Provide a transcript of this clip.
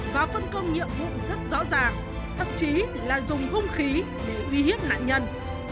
và phân công nhiệm vụ rất rõ ràng thậm chí là dùng hung khí để uy hiếp nạn nhân